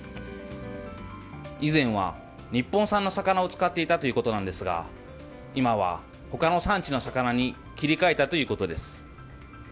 以前は、日本産の魚を使っていたということですが今は他の産地の魚に切り替えたということです。